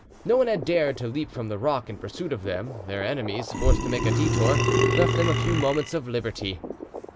No one had dared to leap from the rock in pursuit of them; their enemies, forced to make a detour, left them a few moments of liberty.